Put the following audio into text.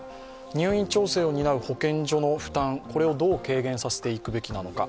入院調整を担う保健所の負担をどう軽減させていくべきなのか。